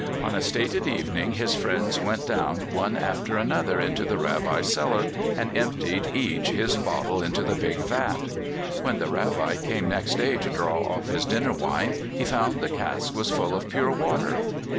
On a stated evening his friends went down one after another into the Rabbi's cellar, and emptied each his bottle into the big vat. When the Rabbi came next day to draw off his dinner wine he found the cask was full of pure water.